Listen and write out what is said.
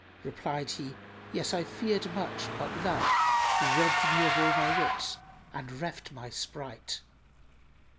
Replied he, 'Yes, I fearèd much, but Love * Robbed me of all my wits and reft my sprite.